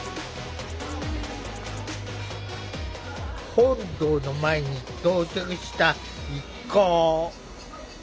本堂の前に到着した一行。